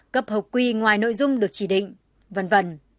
cấp hợp quy ngoài nội dung được chỉ định v v